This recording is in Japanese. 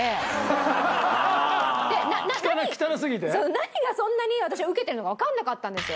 何がそんなに私はウケてるのかわかんなかったんですよ。